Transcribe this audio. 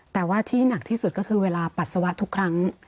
แต่ว่าที่หนักที่สุดก็คือเวลาปัสสาวะทุกครั้ง